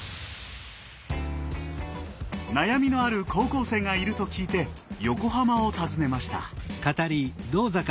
悩みのある高校生がいると聞いて横浜を訪ねました。